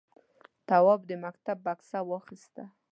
تواب د مکتب بکسه واخیسته.